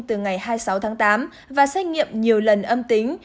từ ngày hai mươi sáu tháng tám và xét nghiệm nhiều lần âm tính